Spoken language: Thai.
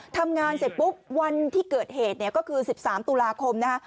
ทำงานเสร็จปุ๊บวันที่เกิดเหตุเนี่ยก็คือ๑๓ตุลาคมนะฮะ